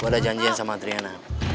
ada janjian sama triana